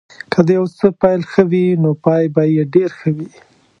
که د یو څه پيل ښه وي نو پای به یې ډېر ښه وي.